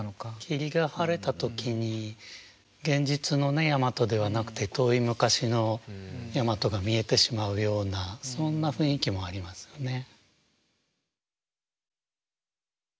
霧が晴れた時に現実のね大和ではなくて遠い昔の大和が見えてしまうようなそんな雰囲気もありますよね。